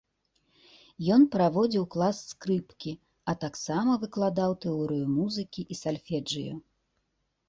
Ён праводзіў клас скрыпкі, а таксама выкладаў тэорыю музыкі і сальфэджыё.